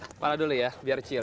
kepala dulu ya biar chil